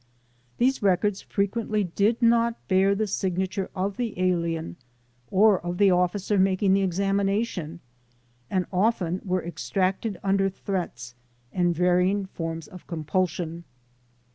These records frequently did not bear the signature of the alien or of the officer making the examination and often were extracted under threats and varying forms of compulsion.